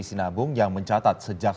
sinabung yang mencatat sejak